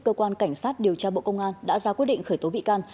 cơ quan cảnh sát điều tra bộ công an đã ra quyết định khởi tố bị can